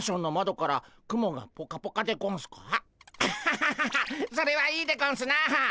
アハハハそれはいいでゴンスな。